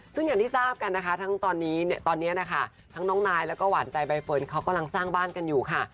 ซึ่งอย่างที่ทราบกันนะคะทั้งตอนนี้ตอนนี้นะคะทั้งน้องนายแล้วก็หวานใจใบเฟิร์นเขากำลังสร้างบ้านกันอยู่ค่ะ